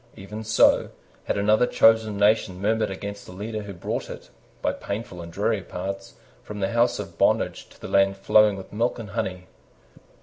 Even so had another chosen nation murmured against the leader who brought it, by painful and dreary paths, from the house of bondage to the land flowing with milk and honey.